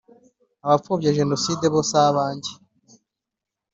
abapfobya genocide bo si abanjye